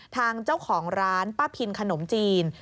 ทางเจ้าของร้านป้าพินขนมจีน